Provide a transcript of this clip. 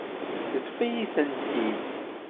Yeṭṭef-iyi-tent-id.